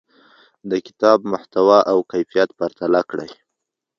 د کتاب محتوا او کیفیت پرتله کړئ.